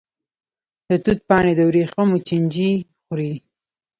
د توت پاڼې د وریښمو چینجی خوري.